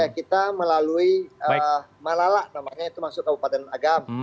kita melalui malalak namanya itu masuk kabupaten agam